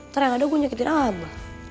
ternyata yang ada gue nyakitin apa